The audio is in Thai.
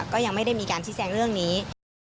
ก็ยังไม่ได้มีการชี้แจงเรื่องนี้